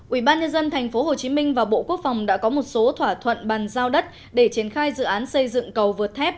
ubnd tp hcm và bộ quốc phòng đã có một số thỏa thuận bàn giao đất để triển khai dự án xây dựng cầu vượt thép